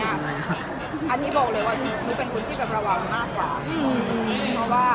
อันนี้บอกเลยว่าหนูเป็นคนที่ระวังมากกว่า